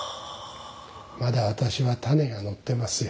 まだ私は種がのってますよ。